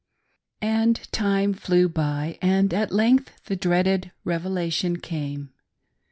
AND time flew by ; and at length the dreaded Revelation came.